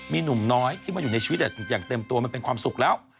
มีหนุ่มน้อยที่มาอยู่ในชีวิตอย่างเต็มตัวมันเป็นความสุขแล้ว